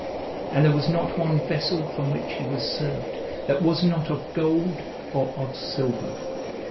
And there was not one vessel from which he was served that was not of gold or of silver.